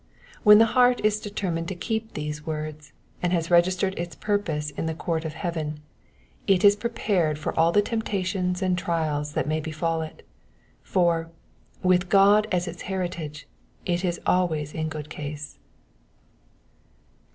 When the heart is determined to keep these words, and has registered its purpose in the court of heaven, it is prepared for all the temptations and trials that may befall it ; for, with God as its heritage, it is always in good case.